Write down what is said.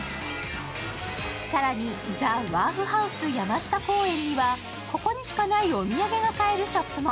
更に、ＴＨＥＷＨＡＲＦＨＯＵＳＥ山下公園には、ここにしかないお土産が買えるショップも。